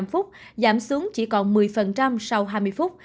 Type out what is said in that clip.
năm phút giảm xuống chỉ còn một mươi sau hai mươi phút